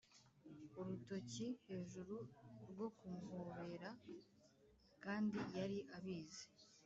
urutoki hejuru rwo kumuhobera, kandi yari abizi